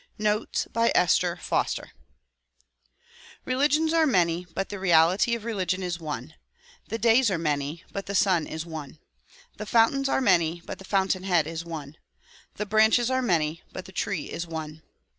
Notes by Esther Foster RELIGIONS are many but the reality of religion is one. The days are many but the sun is one. The fountains are many but the fountain head is one. The branches are many but the tree is one.